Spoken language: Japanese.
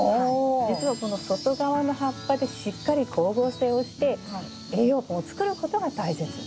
実は外側の葉っぱでしっかり光合成をして栄養分を作ることが大切。